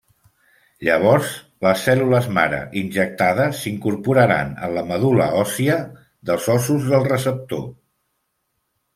Llavors, les cèl·lules mare injectades s'incorporaran en la medul·la òssia dels ossos del receptor.